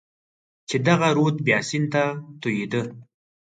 چې دغه رود بیا سیند ته توېېده.